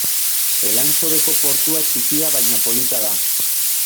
Elantxobeko portua txikia baina polita da.